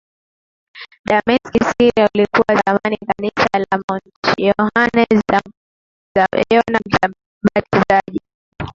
Dameski Siria ulikuwa zamani Kanisa la Mt Yohane Mbatizaji